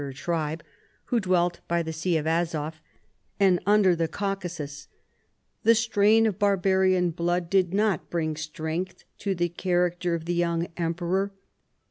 165, 166. RELATIONS WITH THE EAST, 223 tribe, who dwelt by the Sea of Azof and under the Caucasus. The strain of barbarian blood did not bring strength to the character of the young em peror.